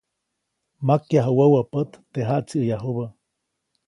Makyaju wäwä pät, teʼ jaʼtsiʼäyajubä.